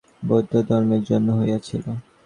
অশোকের ধর্মসভা কেবল বৌদ্ধধর্মের জন্য হইয়াছিল।